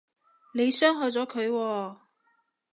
你傷害咗佢喎